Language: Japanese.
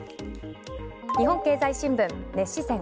日本経済新聞熱視線。